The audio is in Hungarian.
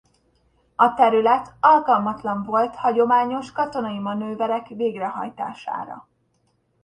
A terület alkalmatlan volt hagyományos katonai manőverek végrehajtására.